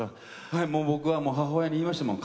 僕は母親に言いましたもん。